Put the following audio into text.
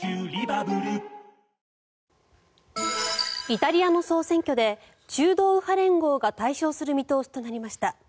イタリアの総選挙で中道右派連合が大勝する見通しとなりました。